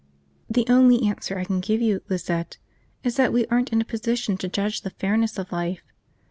"The only answer I can give you, Lizette, is that we aren't in a position to judge the fairness of life.